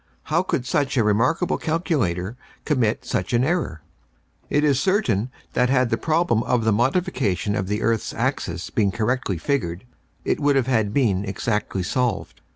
How could such a remarkable calculator commit such an error? "It is certain that had the problem of the modification of the earth's axis been correctly figured, it would have had been exactly solved.